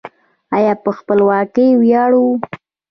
آیا په خپلواکۍ ویاړو؟